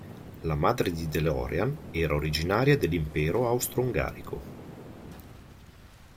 La madre di DeLorean era originaria dell'Impero austro-ungarico.